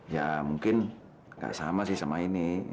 ya mungkin nggak sama sih sama ini